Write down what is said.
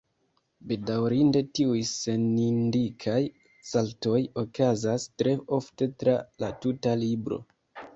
Bedaŭrinde, tiuj senindikaj saltoj okazas tre ofte tra la tuta libro.